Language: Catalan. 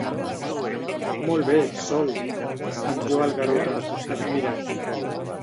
Molt bé, Sol! —em lloa el Garota, admirat.